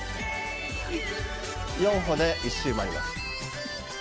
４歩で１周回ります。